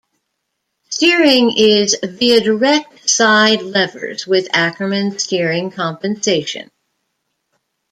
Steering is via direct side levers with Ackerman steering compensation.